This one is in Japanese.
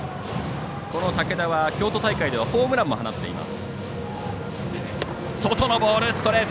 武田は、京都大会ではホームランも放っています。